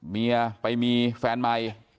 เมียไปมีแฟนใหม่